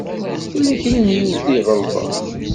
Tella kra n yiwet i iɣelḍen.